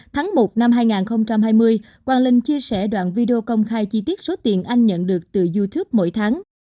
tháng một năm hai nghìn hai mươi quang linh chia sẻ đoạn video công khai chi tiết số tiền anh nhận được từ youtube mỗi tháng